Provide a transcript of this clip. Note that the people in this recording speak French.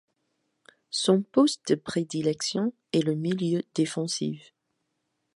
Son poste de prédilection est le milieu défensif.